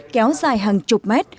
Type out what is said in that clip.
kéo dài hàng chục mét